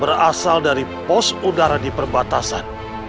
berasal dari pos udara di perbatasan